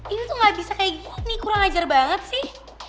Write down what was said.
ini tuh gak bisa kayak gini kurang ajar banget sih